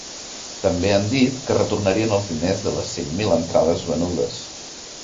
També han dit que retornarien els diners de les cinc mil entrades venudes.